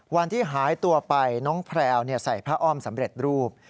วันที่หายตัวไปน้องแพลวใส่ผ้าอ้อมสำเร็จรูป